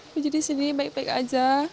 puji di sini baik baik aja